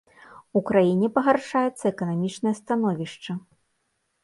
У краіне пагаршаецца эканамічнае становішча.